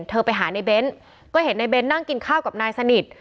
เธอไปหานายเบนท์ก็เห็นนายเบนท์นั่งกินข้าวกับนายสนิท